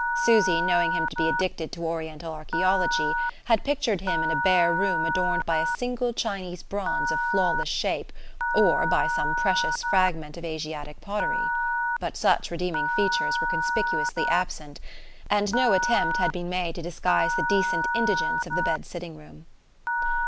Susy, knowing him to be addicted to Oriental archaeology, had pictured him in a bare room adorned by a single Chinese bronze of flawless shape, or by some precious fragment of Asiatic pottery. But such redeeming features were conspicuously absent, and no attempt had been made to disguise the decent indigence of the bed sitting room.